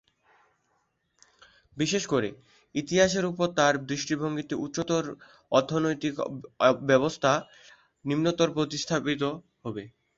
বিশেষ করে, ইতিহাসের উপর তার দৃষ্টিভঙ্গিতে উচ্চতর অর্থনৈতিক ব্যবস্থা নিম্নতর প্রতিস্থাপিত হবে।